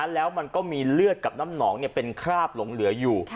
แล้วมันก็มีเลือดกับน้ำหนองเป็นคราบหลงเหลืออยู่